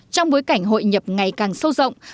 trong bối cảnh hội nhập ngày càng sâu rộng